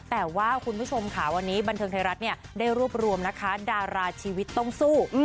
แต่ว่าคุณผู้ชมค่ะวันนี้บันเทิงไทยรัฐเนี่ยได้รวบรวมนะคะดาราชีวิตต้องสู้